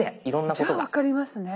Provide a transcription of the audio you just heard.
じゃあ分かりますね。